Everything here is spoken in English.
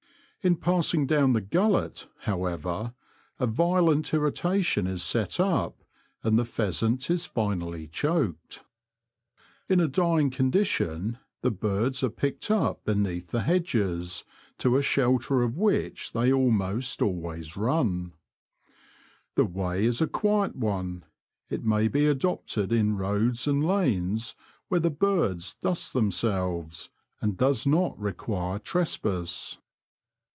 In passing down the gullet, however, a violent irritation is set up, and the pheasant is finally choked. In a dying condition the birds are picked up beneath the hedges, to the shelter of which they almost always run. The way is a quiet one ; it may be adopted in roads and lanes where the birds dust themselves, and does not require trespass.